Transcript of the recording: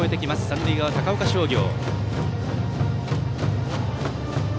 三塁側、高岡商業。